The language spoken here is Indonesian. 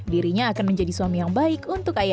dirinya akan menjadi suami yang baik untuk ayahnya